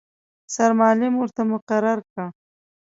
سرمعلم ورته مقرر کړ.